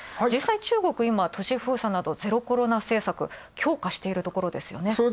実際、中国は都市封鎖などゼロコロナ政策、強化しているところですよね。